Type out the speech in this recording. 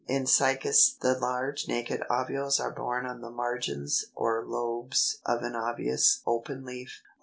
316. In Cycas the large naked ovules are borne on the margins or lobes of an obvious open leaf.